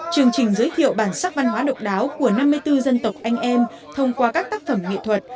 chương trình giới thiệu bản sắc văn hóa độc đáo của năm mươi bốn dân tộc anh em thông qua các tác phẩm nghệ thuật